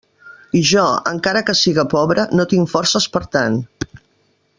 I jo, encara que siga pobra, no tinc forces per a tant.